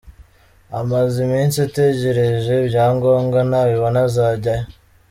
Amaze iminsi ategereje ibyangombwa, nabibona azajyayo.